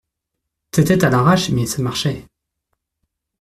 C’était à l’arrache, mais ça marchait.